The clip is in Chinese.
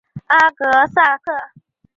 阿格萨克。